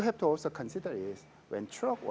tapi yang harus anda pikirkan juga adalah